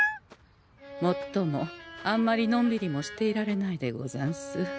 もっともあんまりのんびりもしていられないでござんす。